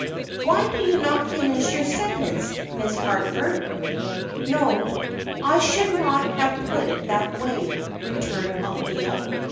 Why do you not finish your sentence, Miss Harford?" "No; I should not have put it that way," returned Althea.